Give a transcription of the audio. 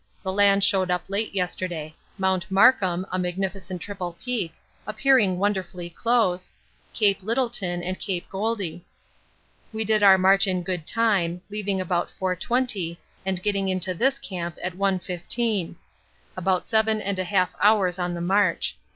The land showed up late yesterday; Mount Markham, a magnificent triple peak, appearing wonderfully close, Cape Lyttelton and Cape Goldie. We did our march in good time, leaving about 4.20, and getting into this camp at 1.15. About 7 1/2 hours on the march.